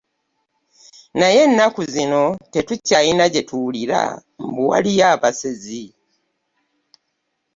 Naye ennaku zinno tetukyalina gye tuwulira mbu waliyo abasezi.